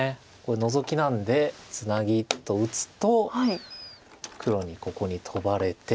ノゾキなのでツナギと打つと黒にここにトバれて。